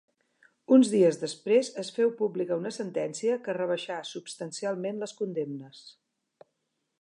Uns dies després es féu pública una sentència que rebaixà substancialment les condemnes.